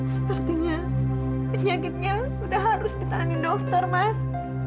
sepertinya penyakitnya sudah harus ditangani dokter mas